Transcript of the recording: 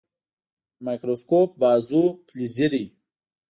مایکروسکوپ بازو فلزي دی.